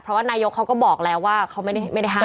เพราะว่านายกเขาก็บอกแล้วว่าเขาไม่ได้ห้าม